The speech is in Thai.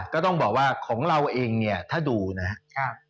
ก็ต้องบอกว่าของเราเองเนี่ยถ้าดูนะครับ